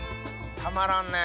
たまらんね。